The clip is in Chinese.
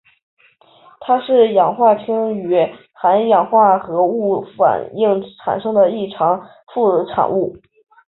它是氟化氯与含氧化合物反应产生的常见副产物。